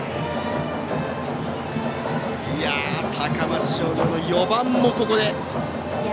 高松商業、４番もここで。